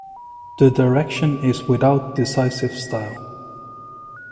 The direction is without decisive style.